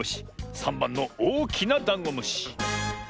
３ばんのおおきなダンゴムシ。